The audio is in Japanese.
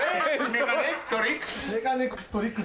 メガネックストリックス。